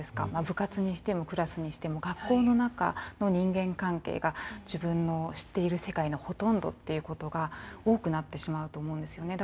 部活にしてもクラスにしても学校の中の人間関係が自分の知っている世界のほとんどっていうことが多くなってしまうと思うんですよね。